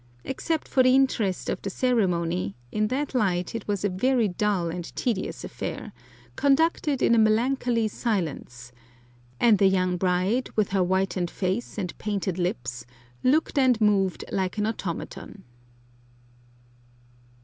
Except for the interest of the ceremony, in that light it was a very dull and tedious affair, conducted in melancholy silence, and the young bride, with her whitened face and painted lips, looked and moved like an automaton.